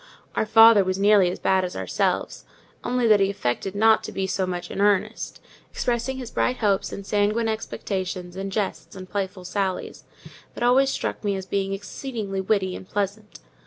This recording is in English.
Our father was nearly as bad as ourselves; only that he affected not to be so much in earnest: expressing his bright hopes and sanguine expectations in jests and playful sallies, that always struck me as being exceedingly witty and pleasant.